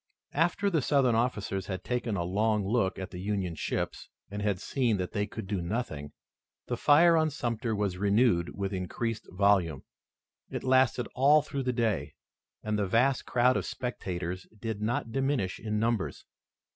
After the Southern officers had taken a long look at the Union ships, and had seen that they could do nothing, the fire on Sumter was renewed with increased volume. It lasted all through the day and the vast crowd of spectators did not diminish in numbers.